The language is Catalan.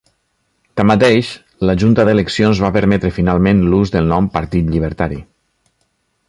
Tanmateix, la Junta d'Eleccions va permetre finalment l'ús del nom "Partit Llibertari".